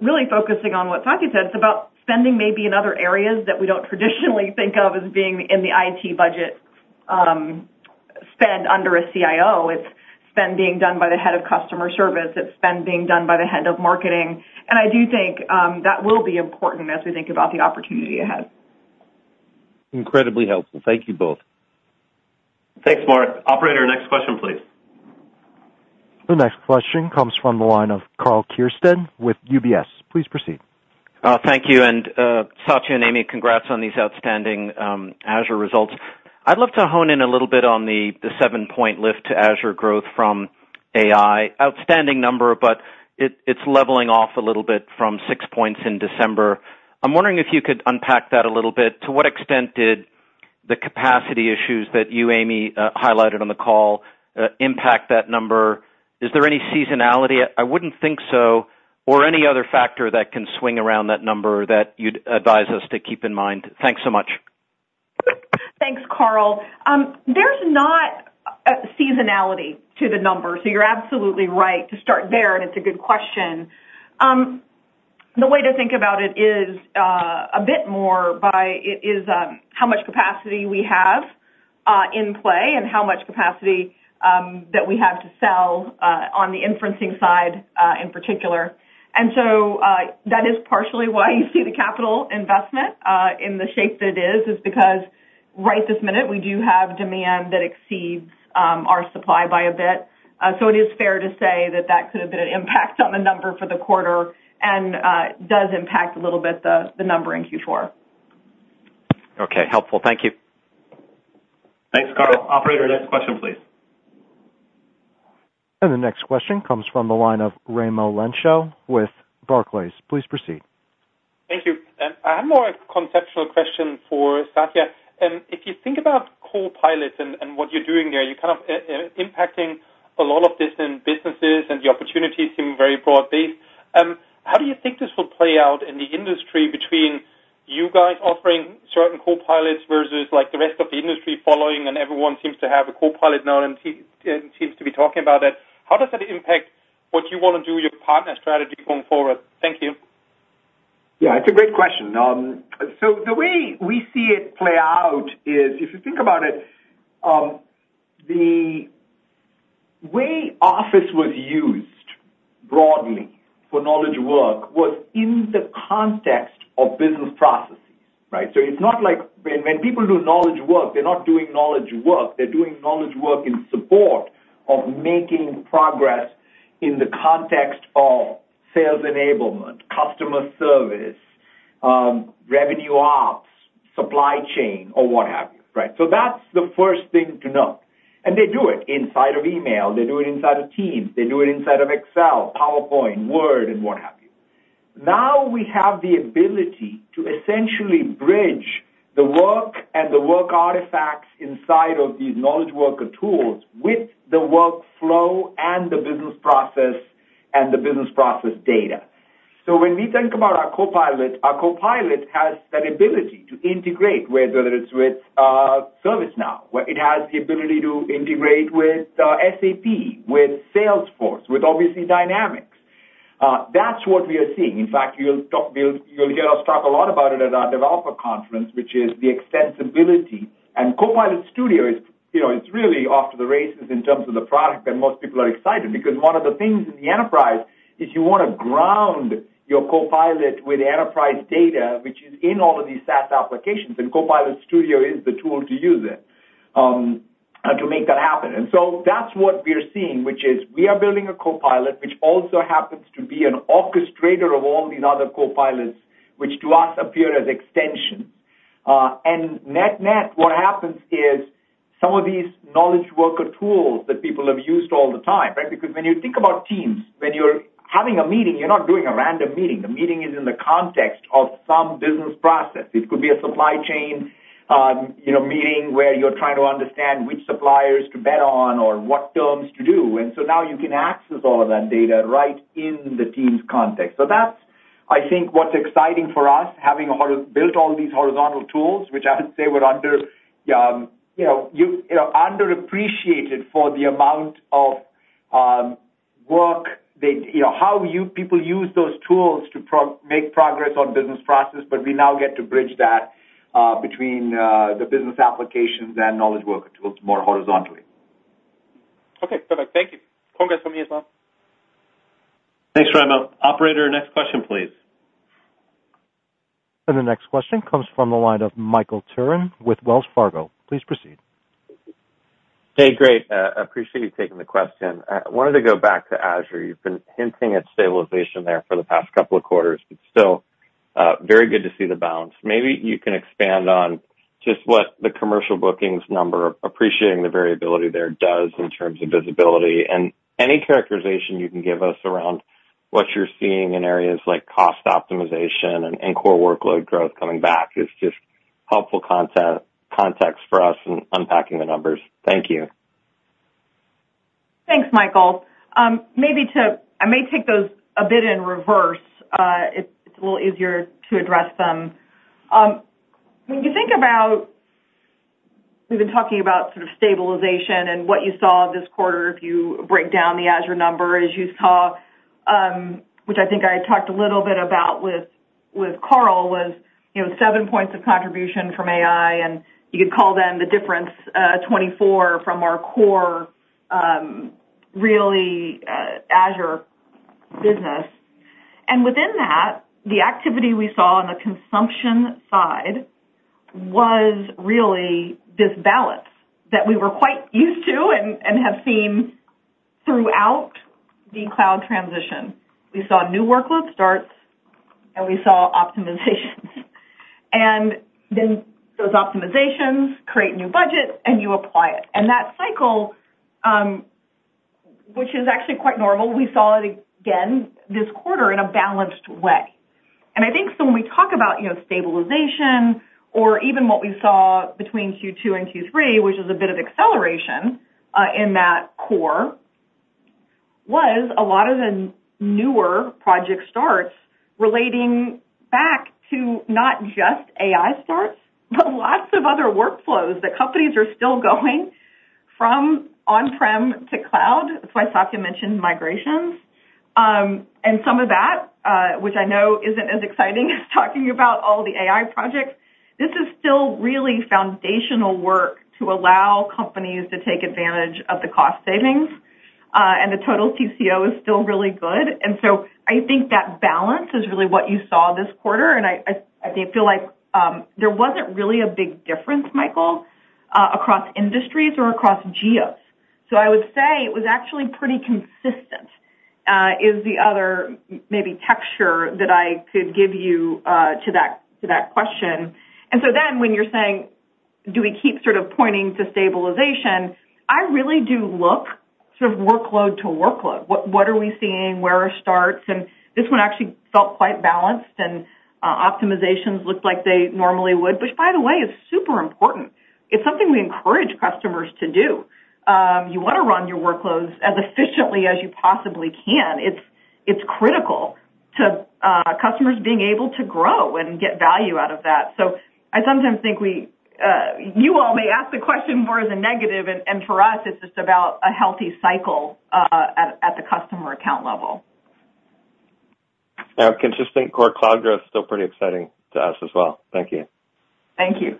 really focusing on what Satya said. It's about spending maybe in other areas that we don't traditionally think of as being in the IT budget spend under a CIO. It's spend being done by the head of customer service. It's spend being done by the head of marketing. I do think that will be important as we think about the opportunity ahead. Incredibly helpful. Thank you both. Thanks, Mark. Operator, next question, please. The next question comes from the line of Karl Keirstead with UBS. Please proceed. Thank you. And Satya and Amy, congrats on these outstanding Azure results. I'd love to hone in a little bit on the 7-point lift to Azure growth from AI. Outstanding number, but it's leveling off a little bit from 6 points in December. I'm wondering if you could unpack that a little bit. To what extent did the capacity issues that you, Amy, highlighted on the call impact that number? Is there any seasonality? I wouldn't think so. Or any other factor that can swing around that number that you'd advise us to keep in mind? Thanks so much. Thanks, Karl. There's not a seasonality to the numbers, so you're absolutely right to start there, and it's a good question. The way to think about it is a bit more by it is how much capacity we have in play and how much capacity that we have to sell on the inferencing side in particular. So that is partially why you see the capital investment in the shape that it is, is because right this minute, we do have demand that exceeds our supply by a bit. So it is fair to say that that could have been an impact on the number for the quarter and does impact a little bit the number in Q4. Okay. Helpful. Thank you. Thanks, Karl. Operator, next question, please. The next question comes from the line of Raimo Lenschow with Barclays. Please proceed. Thank you. I have more conceptual questions for Satya. If you think about Copilot and what you're doing there, you're kind of impacting a lot of this in businesses, and the opportunities seem very broad-based. How do you think this will play out in the industry between you guys offering certain Copilots versus the rest of the industry following and everyone seems to have a Copilot now and seems to be talking about it? How does that impact what you want to do, your partner strategy going forward? Thank you. Yeah. It's a great question. So the way we see it play out is if you think about it, the way Office was used broadly for knowledge work was in the context of business processes. So it's not like when people do knowledge work, they're not doing knowledge work. They're doing knowledge work in support of making progress in the context of sales enablement, customer service, revenue ops, supply chain, or what have you. So that's the first thing to note. And they do it inside of email. They do it inside of Teams. They do it inside of Excel, PowerPoint, Word, and what have you. Now we have the ability to essentially bridge the work and the work artifacts inside of these knowledge worker tools with the workflow and the business process and the business process data. So when we think about our Copilot, our Copilot has that ability to integrate, whether it's with ServiceNow, where it has the ability to integrate with SAP, with Salesforce, with obviously Dynamics. That's what we are seeing. In fact, you'll hear us talk a lot about it at our developer conference, which is the extensibility. And Copilot Studio is really off to the races in terms of the product, and most people are excited because one of the things in the enterprise is you want to ground your Copilot with enterprise data, which is in all of these SaaS applications. And Copilot Studio is the tool to use it to make that happen. And so that's what we are seeing, which is we are building a Copilot which also happens to be an orchestrator of all these other Copilots, which to us appear as extensions. Net-net, what happens is some of these knowledge worker tools that people have used all the time because when you think about Teams, when you're having a meeting, you're not doing a random meeting. The meeting is in the context of some business process. It could be a supply chain meeting where you're trying to understand which suppliers to bet on or what terms to do. And so now you can access all of that data right in the Teams context. So that's, I think, what's exciting for us, having built all these horizontal tools, which I would say were underappreciated for the amount of work they how people use those tools to make progress on business process. But we now get to bridge that between the business applications and knowledge worker tools more horizontally. Okay. Perfect. Thank you. Congrats from me as well. Thanks, Raimo. Operator, next question, please. The next question comes from the line of Michael Turrin with Wells Fargo. Please proceed. Hey. Great. Appreciate you taking the question. I wanted to go back to Azure. You've been hinting at stabilization there for the past couple of quarters, but still very good to see the bounce. Maybe you can expand on just what the commercial bookings number, appreciating the variability there, does in terms of visibility. And any characterization you can give us around what you're seeing in areas like cost optimization and core workload growth coming back is just helpful context for us in unpacking the numbers. Thank you. Thanks, Michael. Maybe I may take those a bit in reverse. It's a little easier to address them. When you think about we've been talking about sort of stabilization and what you saw this quarter. If you break down the Azure number, as you saw, which I think I talked a little bit about with Karl, was 7 points of contribution from AI, and you could call them the difference 24 from our core really Azure business. And within that, the activity we saw on the consumption side was really this balance that we were quite used to and have seen throughout the cloud transition. We saw new workload starts, and we saw optimizations. And then those optimizations create new budgets, and you apply it. And that cycle, which is actually quite normal, we saw it again this quarter in a balanced way. I think so when we talk about stabilization or even what we saw between Q2 and Q3, which was a bit of acceleration in that core, was a lot of the newer project starts relating back to not just AI starts but lots of other workflows that companies are still going from on-prem to cloud. That's why Satya mentioned migrations. Some of that, which I know isn't as exciting as talking about all the AI projects, this is still really foundational work to allow companies to take advantage of the cost savings. The total TCO is still really good. So I think that balance is really what you saw this quarter. I feel like there wasn't really a big difference, Michael, across industries or across geos. So, I would say it was actually pretty consistent—is the other maybe texture that I could give you to that question. And so then, when you're saying, "Do we keep sort of pointing to stabilization?" I really do look sort of workload to workload. What are we seeing? Where are starts? And this one actually felt quite balanced, and optimizations looked like they normally would, which, by the way, is super important. It's something we encourage customers to do. You want to run your workloads as efficiently as you possibly can. It's critical to customers being able to grow and get value out of that. So, I sometimes think we—you all—may ask the question more as a negative, and for us, it's just about a healthy cycle at the customer account level. Yeah. Consistent core cloud growth is still pretty exciting to us as well. Thank you. Thank you.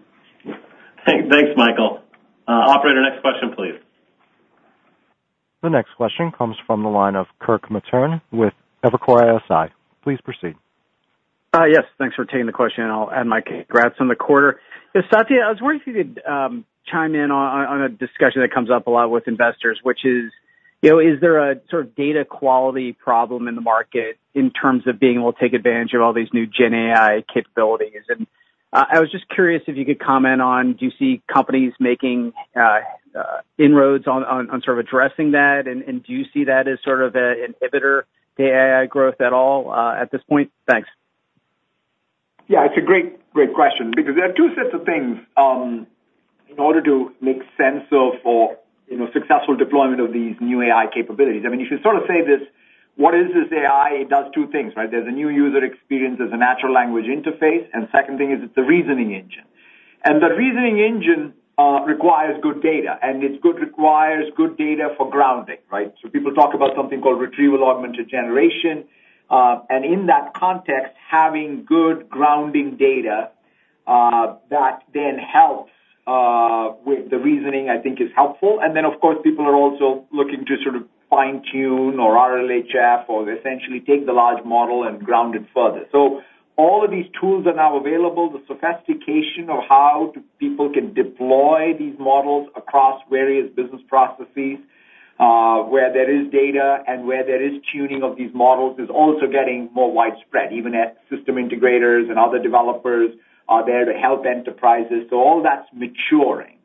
Thanks, Michael. Operator, next question, please. The next question comes from the line of Kirk Materne with Evercore ISI. Please proceed. Yes. Thanks for taking the question. I'll add my congrats on the quarter. Satya, I was wondering if you could chime in on a discussion that comes up a lot with investors, which is there a sort of data quality problem in the market in terms of being able to take advantage of all these new GenAI capabilities? And I was just curious if you could comment on do you see companies making inroads on sort of addressing that? And do you see that as sort of an inhibitor to AI growth at all at this point? Thanks. Yeah. It's a great, great question because there are two sets of things in order to make sense of successful deployment of these new AI capabilities. I mean, if you sort of say this, "What is this AI?" It does two things, right? There's a new user experience. There's a natural language interface. And second thing is it's a reasoning engine. And the reasoning engine requires good data, and it requires good data for grounding, right? So people talk about something called Retrieval-Augmented Generation. And in that context, having good grounding data that then helps with the reasoning, I think, is helpful. And then, of course, people are also looking to sort of fine-tune or RLHF or essentially take the large model and ground it further. So all of these tools are now available. The sophistication of how people can deploy these models across various business processes where there is data and where there is tuning of these models is also getting more widespread, even as system integrators and other developers are there to help enterprises. So all that's maturing.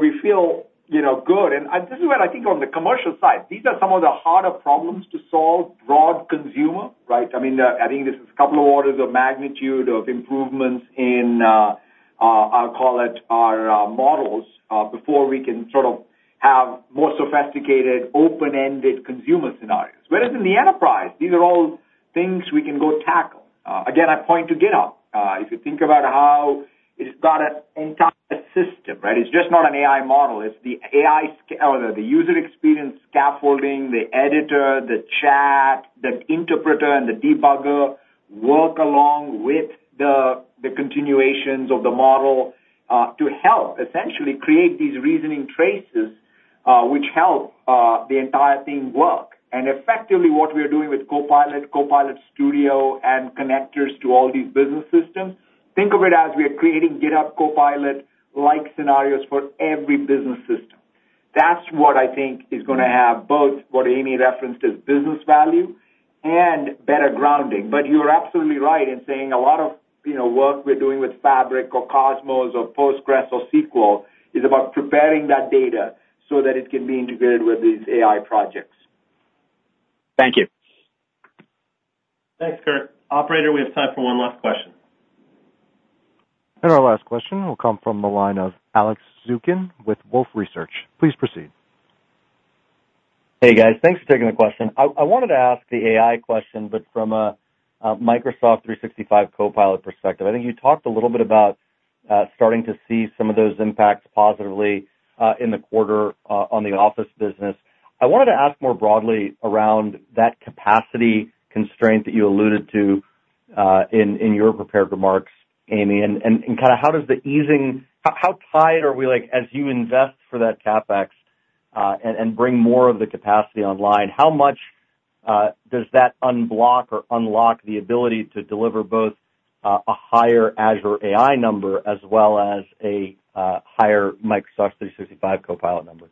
We feel good. And this is what I think on the commercial side. These are some of the harder problems to solve, broad consumer, right? I mean, I think this is a couple of orders of magnitude of improvements in, I'll call it, our models before we can sort of have more sophisticated open-ended consumer scenarios. Whereas in the enterprise, these are all things we can go tackle. Again, I point to GitHub. If you think about how it's got an entire system, right? It's just not an AI model. It's the AI or the user experience scaffolding, the editor, the chat, the interpreter, and the debugger work along with the continuations of the model to help essentially create these reasoning traces, which help the entire thing work. And effectively, what we are doing with Copilot, Copilot Studio, and connectors to all these business systems, think of it as we are creating GitHub Copilot-like scenarios for every business system. That's what I think is going to have both what Amy referenced as business value and better grounding. But you are absolutely right in saying a lot of work we're doing with Fabric or Cosmos or Postgres or SQL is about preparing that data so that it can be integrated with these AI projects. Thank you. Thanks, Kirk. Operator, we have time for one last question. Our last question will come from the line of Alex Zukin with Wolfe Research. Please proceed. Hey, guys. Thanks for taking the question. I wanted to ask the AI question, but from a Microsoft 365 Copilot perspective. I think you talked a little bit about starting to see some of those impacts positively in the quarter on the Office business. I wanted to ask more broadly around that capacity constraint that you alluded to in your prepared remarks, Amy. And kind of how does the easing how tied are we as you invest for that CapEx and bring more of the capacity online? How much does that unblock or unlock the ability to deliver both a higher Azure AI number as well as a higher Microsoft 365 Copilot number?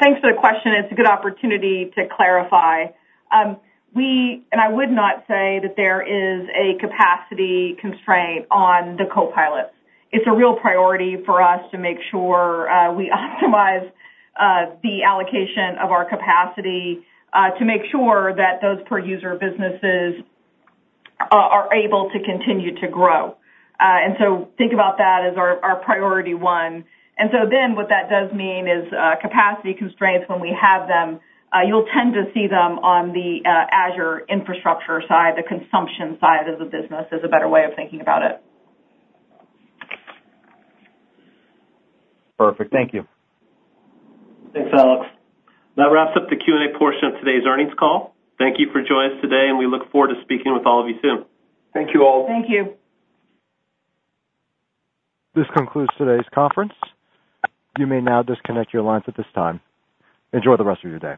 Thanks for the question. It's a good opportunity to clarify. I would not say that there is a capacity constraint on the Copilots. It's a real priority for us to make sure we optimize the allocation of our capacity to make sure that those per-user businesses are able to continue to grow. Think about that as our priority one. What that does mean is capacity constraints, when we have them, you'll tend to see them on the Azure infrastructure side, the consumption side of the business, is a better way of thinking about it. Perfect. Thank you. Thanks, Alex. That wraps up the Q&A portion of today's earnings call. Thank you for joining us today, and we look forward to speaking with all of you soon. Thank you all. Thank you. This concludes today's conference. You may now disconnect your lines at this time. Enjoy the rest of your day.